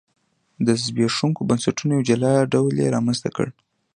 د زبېښونکو بنسټونو یو جلا ډول یې رامنځته کړ.